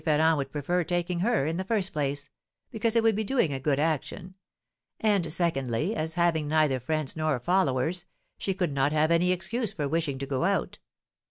Ferrand would prefer taking her, in the first place, because it would be doing a good action; and, secondly, as, having neither friends nor followers, she could not have any excuse for wishing to go out.